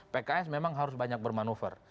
pks memang harus banyak bermanuver